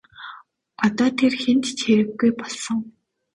Одоо тэр хэнд ч хэрэггүй болсон.